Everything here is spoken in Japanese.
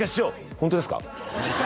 ホントですか？